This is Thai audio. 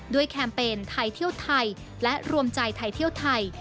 แคมเปญไทยเที่ยวไทยและรวมใจไทยเที่ยวไทย